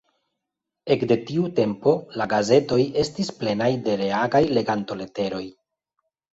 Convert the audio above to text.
Ekde tiu tempo la gazetoj estis plenaj de reagaj legantoleteroj.